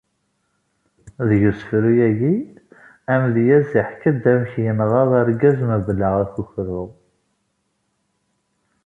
Deg usefru-agi, amedyaz iḥka-d amek yenɣa argaz mebla akukru.